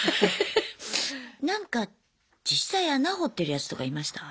なんか実際穴掘ってるやつとかいました？